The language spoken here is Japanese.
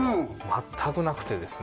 全くなくてですね